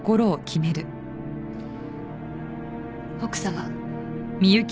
奥様。